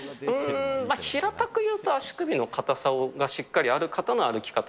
平たく言うと、足首の硬さがしっかりある方の歩き方。